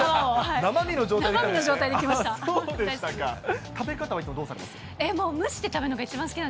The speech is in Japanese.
生身の状態で来ました。